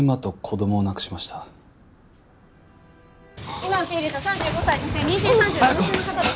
今受け入れた３５歳女性妊娠３７週の方です。